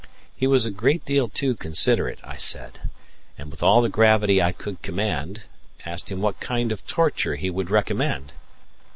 He was a great deal too considerate, I said, and, with all the gravity I could command, asked him what kind of torture he would recommend.